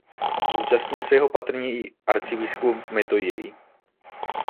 Zúčastnil se ho patrně i arcibiskup Metoděj.